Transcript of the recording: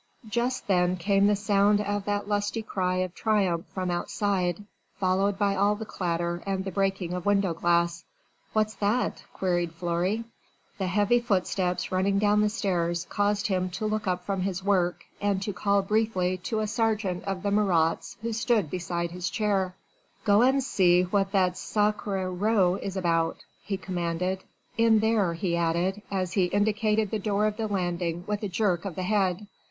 Just then came the sound of that lusty cry of triumph from outside, followed by all the clatter and the breaking of window glass. "What's that?" queried Fleury. The heavy footsteps running down the stairs caused him to look up from his work and to call briefly to a sergeant of the Marats who stood beside his chair: "Go and see what that sacré row is about," he commanded. "In there," he added as he indicated the door of the landing with a jerk of the head.